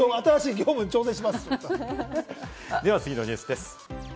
次のニュースです。